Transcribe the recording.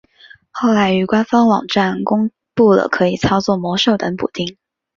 后来于官方网站公布了可以操作魔兽等补丁。